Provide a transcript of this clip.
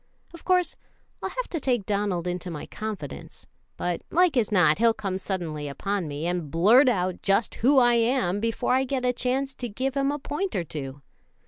Of course I'll have to take Donald into my confidence; but like as not he'll come suddenly upon me, and blurt out just who I am before I get a chance to give him a point or two.